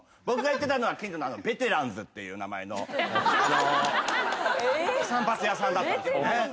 僕が行ってたのは近所のベテランズっていう名前の散髪屋さんだったんですよね。